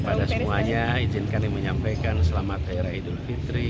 pada semuanya izinkan yang menyampaikan selamat era idul fitri